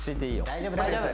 大丈夫大丈夫。